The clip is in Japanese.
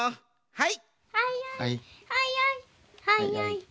はい！